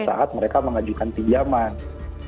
saat mereka mengajukan pinjaman